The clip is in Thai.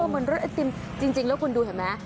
เหมือนรถไอติมจริงแล้วคุณดูเห็นไหม